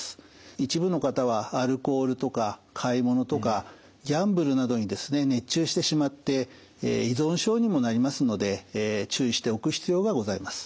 一部の方はアルコールとか買い物とかギャンブルなどに熱中してしまって依存症にもなりますので注意しておく必要がございます。